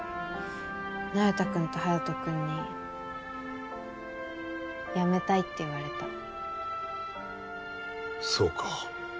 那由他くんと隼人くんに辞めたいって言われたそうか